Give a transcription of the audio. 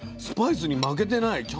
スパイスに負けてない。